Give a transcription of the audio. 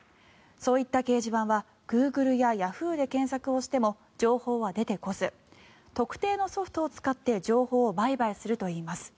そういった掲示板はグーグルやＹａｈｏｏ！で検索をしても情報は出てこず特定のソフトを使って情報を売買するといいます。